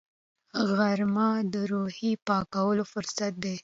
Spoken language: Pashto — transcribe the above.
غرمه د روحي پاکوالي فرصت دی